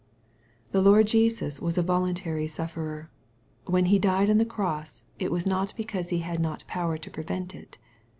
The Lord Jesus \^as a voluntary sufferer. When He died on the cross, it was not because He had not power to prevent it.